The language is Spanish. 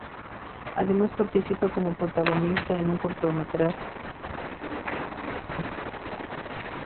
Además, participa como protagonista en un cortometraje para un anuncio de Bollywood.